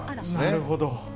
なるほど。